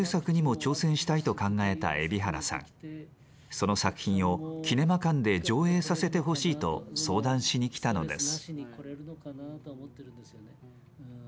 その作品をキネマ館で上映させてほしいと相談しに来たのです。